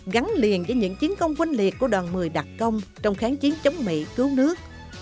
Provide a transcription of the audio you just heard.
gắn liền với những chiến công vinh liệt của đoàn một mươi đặc công trong kháng chiến chống mỹ cứu nước